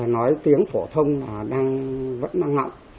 nói tiếng phổ thông là đang vẫn đang ngọng